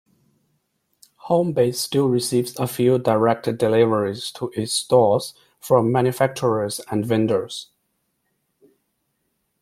Homebase still receives a few direct deliveries to its stores, from manufacturers and vendors.